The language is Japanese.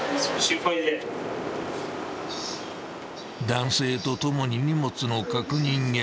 ［男性と共に荷物の確認へ］